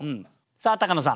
さあ高野さん